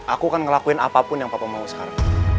aku akan ngelakuin apapun yang papa mau sekarang